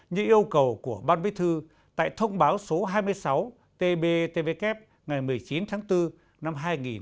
như yêu cầu của ban bí thư tại thông báo số hai mươi sáu tbtvk ngày một mươi chín tháng bốn năm hai nghìn một mươi bốn